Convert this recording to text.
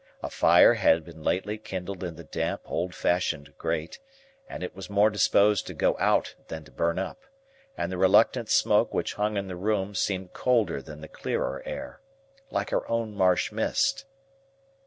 A fire had been lately kindled in the damp old fashioned grate, and it was more disposed to go out than to burn up, and the reluctant smoke which hung in the room seemed colder than the clearer air,—like our own marsh mist.